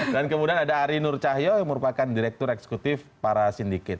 dan kemudian ada arinur cahyo yang merupakan direktur eksekutif para sindiket